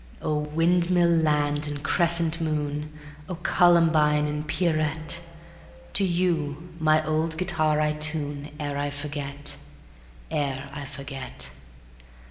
O windmill land and crescent moon! O Columbine and Pierrette! To you my old guitar I tune Ere I forget, ere I forget.